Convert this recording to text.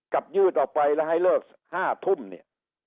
ยืดออกไปแล้วให้เลิก๕ทุ่มเนี่ย